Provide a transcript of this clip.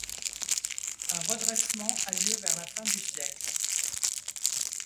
Un redressement a lieu vers la fin du siècle.